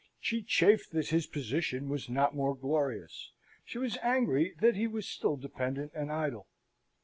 She chafed that his position was not more glorious; she was angry that he was still dependent and idle.